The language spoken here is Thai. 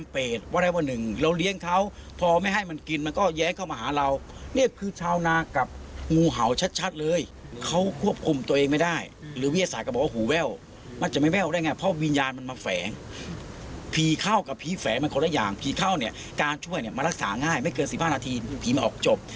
ผีเข้ากับผีแฝงมันคนละอย่างผีเข้าเนี่ยการช่วยเนี่ยมันรักษาง่ายไม่เกิน๑๕นาทีผีมันออกจบ